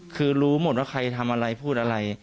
คือรู้หมดว่าใครทำอะไรพูดอะไร